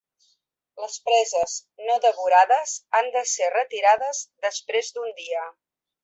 Les preses no devorades han de ser retirades després d'un dia.